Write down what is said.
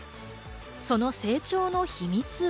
その成長の秘密は。